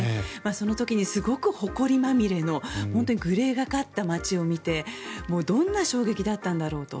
その時にすごくほこりまみれのグレーがかった街を見てもうどんな衝撃だったんだろうと。